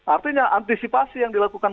artinya antisipasi yang dilakukan